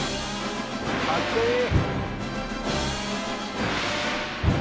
かっこいい。